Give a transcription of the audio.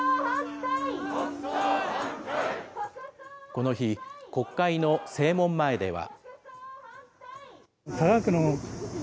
この日、国会の正門前では。